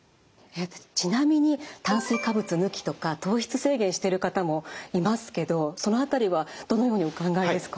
ちなみに炭水化物抜きとか糖質制限してる方もいますけどその辺りはどのようにお考えですか？